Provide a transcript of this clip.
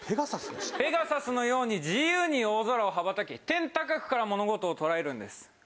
ペガサスのように自由に大空を羽ばたき天高くから物事を捉えるんです。